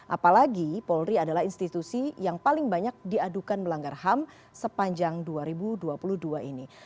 apalagi polri adalah institusi yang paling banyak diadukan melanggar ham sepanjang dua ribu dua puluh dua ini